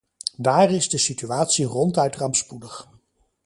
Daar is de situatie ronduit rampspoedig.